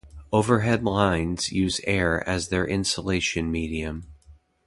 Overhead lines use air as their insulation medium.